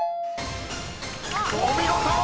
［お見事！